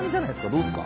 どうですか？